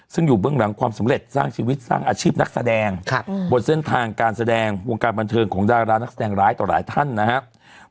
ซึ่งอยู่เบื้องหลังความสำเร็จสร้างชีวิตสร้างอาชีพนักแสดงบนเส้นทางการแสดงวงการบันเทิงของดารานักแสดงร้ายต่อหลายท่านนะครับ